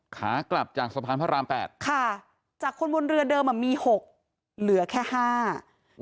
ขากลับจากสะพานพระราม๘ค่ะจากคนบนเรือเดิมมี๖คนเหลือแค่๕คน